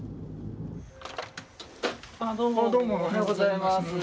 ああどうもおはようございます。